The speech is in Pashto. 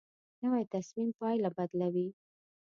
نوې تصمیم پایله بدلوي